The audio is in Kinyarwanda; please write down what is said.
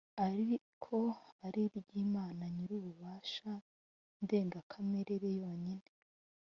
ariko ari iry’Imana Nyiri ububasha ndengakamere yonyine.